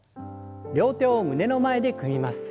両手を胸の前で組みます。